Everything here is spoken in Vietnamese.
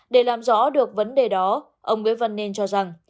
để làm rõ được vấn đề đó ông nguyễn văn nên cho rằng